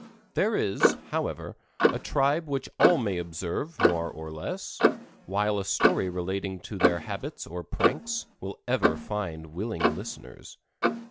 There is, however, a tribe which all may observe more or less, while a story relating to their habits or pranks will ever find willing listeners.